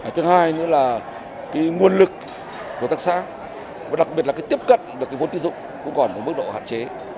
thứ hai nữa là nguồn lực của tác xã đặc biệt là tiếp cận được vốn tiêu dụng cũng còn một mức độ hạn chế